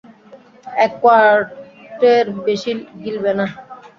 এক কোয়ার্টের বেশি গিলবে না।